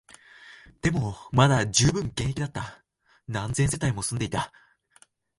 でも、まだ充分現役だった、何千世帯も住んでいた